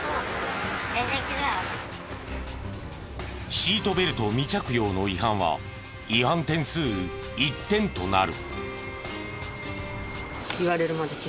シートベルト未着用の違反は違反点数１点となる。